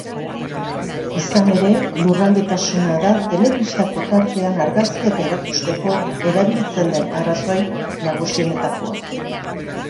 Izan ere, lurraldetasuna da telebistako tartean argazkiak erakusteko erabiltzen den arrazoi nagusienetakoa.